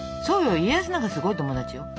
家康なんかすごい友達よ。